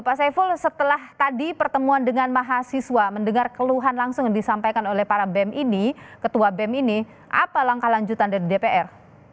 pak saiful setelah tadi pertemuan dengan mahasiswa mendengar keluhan langsung yang disampaikan oleh para bem ini ketua bem ini apa langkah lanjutan dari dpr